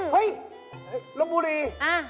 เฮ้ยลบบุรี